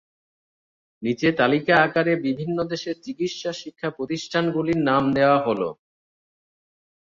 নিচে তালিকা আকারে বিভিন্ন দেশের চিকিৎসা শিক্ষা প্রতিষ্ঠানগুলির নাম দেয়া হল।